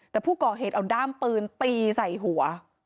แต่ผู้ก่อเหตุเอาด้ามปืนตีใส่หัว